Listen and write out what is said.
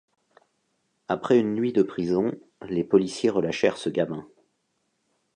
Après une nuit de prison, les policiers relâchèrent ce gamin.